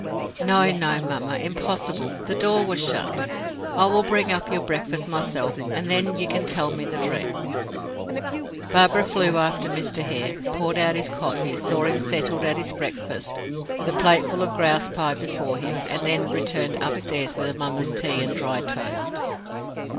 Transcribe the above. "No, no, mamma impossible: the door was shut. I will bring up your breakfast myself and then you can tell me the dream." Barbara flew after Mr. Hare, poured out his coffee, saw him settled at his breakfast, with a plateful of grouse pie before him, and then returned upstairs with her mamma's tea and dry toast.